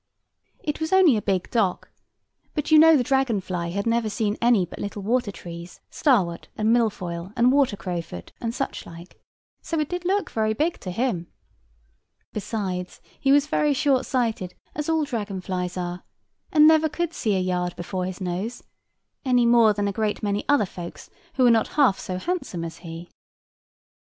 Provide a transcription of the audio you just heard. It was only a big dock: but you know the dragon fly had never seen any but little water trees; starwort, and milfoil, and water crowfoot, and such like; so it did look very big to him. Besides, he was very short sighted, as all dragon flies are; and never could see a yard before his nose; any more than a great many other folks, who are not half as handsome as he.